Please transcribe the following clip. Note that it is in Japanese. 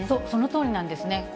そのとおりなんですね。